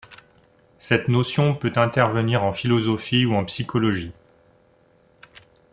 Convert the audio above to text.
Cette notion peut intervenir en philosophie ou en psychologie.